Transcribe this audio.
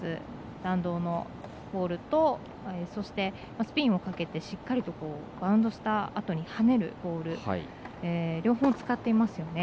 弾道のボールとそして、スピンをかけてしっかりとバウンドしたあとに跳ねるボール両方使っていますよね。